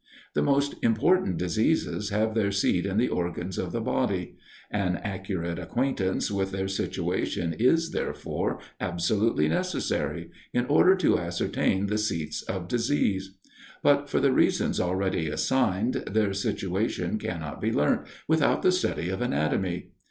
The most important diseases have their seat in the organs of the body; an accurate acquaintance with their situation is, therefore, absolutely necessary, in order to ascertain the seats of disease; but for the reasons already assigned, their situation cannot be learnt, without the study of anatomy.